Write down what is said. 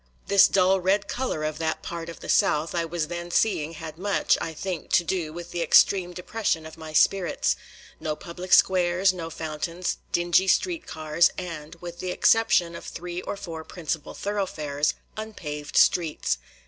This dull red color of that part of the South I was then seeing had much, I think, to do with the extreme depression of my spirits no public squares, no fountains, dingy street cars, and, with the exception of three or four principal thoroughfares, unpaved streets.